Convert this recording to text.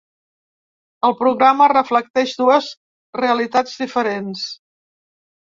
El programa reflecteix dues realitats diferents.